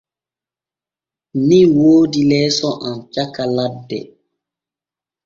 Min woodi leeso am caka ladde.